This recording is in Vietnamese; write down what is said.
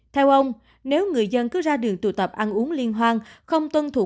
theo ông nếu người dân cứ ra đường tụ tập ăn uống liên hoan không tuân thủ